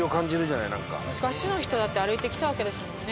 昔の人だって歩いてきたわけですもんね。